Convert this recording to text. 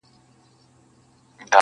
روغ دې وزرونه پانوسونو ته به څه وایو!